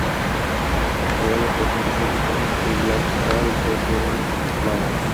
Creó los personajes de cómic "The Black Star" y "The Crimson Clown".